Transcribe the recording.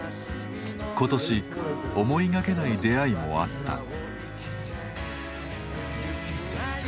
今年思いがけない出会いもあった。